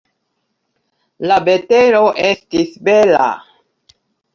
La vetero estis bela.